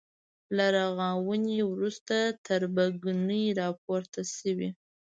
له رغاونې وروسته تربګنۍ راپورته شوې.